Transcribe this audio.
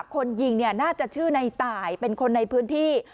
คนยิงน่าจะชื่อนายตายเป็นคนในพื้นที่